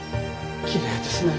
きれいですね。